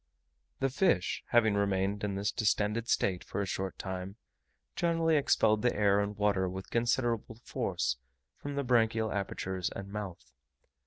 The fish, having remained in this distended state for a short time, generally expelled the air and water with considerable force from the branchial apertures and mouth.